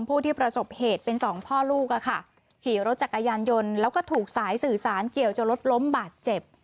ผู้ที่ประสบเหตุเป็นสองพ่อลูกอะค่ะขี่รถจักรยานยนต์แล้วก็ถูกสายสื่อสารเกี่ยวจนรถล้มบาดเจ็บ